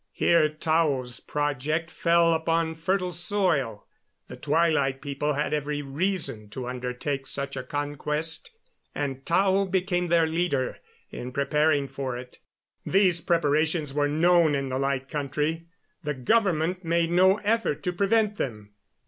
Here Tao's project fell upon fertile soil. The Twilight People had every reason to undertake such a conquest; and Tao became their leader in preparing for it. These preparations were known in the Light Country. The government made no effort to prevent them.